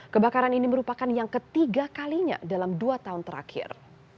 kebakaran ini merupakan yang ketiga kalinya dalam dua tahun terakhir